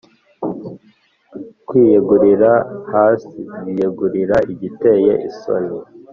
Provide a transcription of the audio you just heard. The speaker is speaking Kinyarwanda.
Kwiyegurira hs biyegurira igiteye isoni